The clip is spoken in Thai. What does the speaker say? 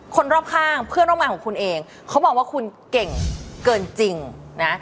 คนรอบข้างเพื่อนร่วมงานของคุณเองเขามองว่าคุณเก่งเกินจริงนะ